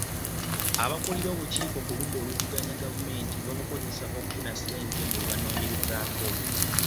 Abakulira obukiiko ku ludda oluvuganya gavumenti babukozesa okufuna ssente mu bebanoonyerezaako.